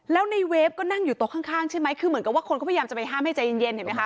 แล้วในเวฟก็นั่งอยู่โต๊ะข้างใช่ไหมคือเหมือนกับว่าคนก็พยายามจะไปห้ามให้ใจเย็นเห็นไหมคะ